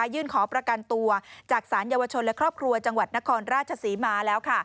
ยื่นขอประกันตัวจากศาลเยาวชนและครอบครัวจังหวัดนครราชศรีมาแล้ว